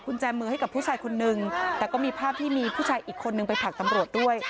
คุณแจมือให้กับผู้ชายคนนึงแต่ก็มีภาพที่มีผู้ชายอีกคนนึงไปผลักตำรวจด้วย